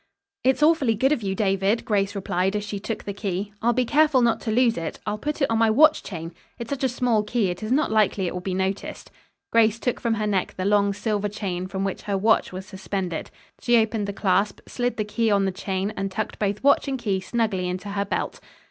"It's awfully good of you, David," Grace replied as she took the key. "I'll be careful not to lose it. I'll put it on my watch chain. It's such a small key it is not likely it will be noticed." Grace took from her neck the long, silver chain from which her watch was suspended. She opened the clasp, slid the key on the chain and tucked both watch and key snugly into her belt.